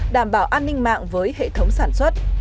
đảm bảo an ninh mạng với hệ thống sản xuất